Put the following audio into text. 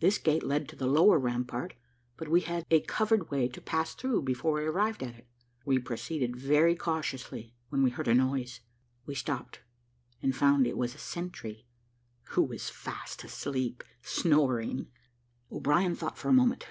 This gate led to the lower rampart, but we had a covered way to pass through before we arrived at it. We proceeded very cautiously, when we heard a noise: we stopped, and found it was a sentry, who was fast asleep, and snoring. O'Brien thought for a moment.